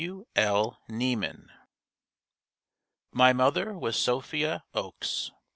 W. L. Niemann. My mother was Sophia Oakes.